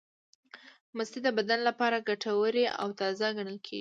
مستې د بدن لپاره ګټورې او تازې ګڼل کېږي.